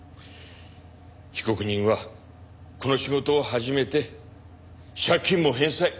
被告人はこの仕事を始めて借金も返済。